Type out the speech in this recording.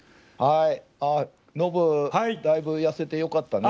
ノブ、だいぶやせてよかったね。